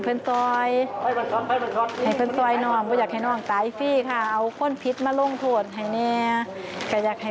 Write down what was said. ฟังคุณหน่อยนำขนาดนี้แหละค่ะ